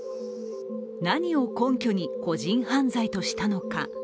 何を根拠に個人犯罪としたのか。